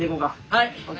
はい！